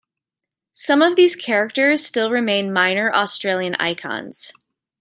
Some of these characters still remain minor Australian icons.